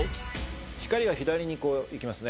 光が左にいきますね。